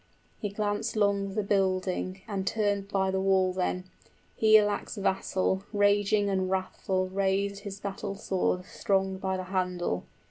He glanced 'long the building, And turned by the wall then, Higelac's vassal Raging and wrathful raised his battle sword Strong by the handle.